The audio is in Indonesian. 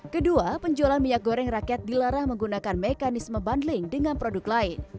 kedua penjualan minyak goreng rakyat dilarang menggunakan mekanisme bundling dengan produk lain